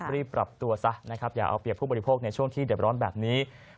รีบปรับตัวซะนะครับอย่าเอาเปรียบผู้บริโภคในช่วงที่เด็บร้อนแบบนี้